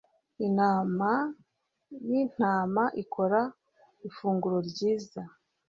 Intama yintama ikora ifunguro ryiza